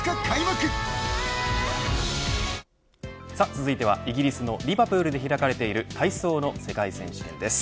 続いてはイギリスのリヴァプールで開かれている体操の世界選手権です。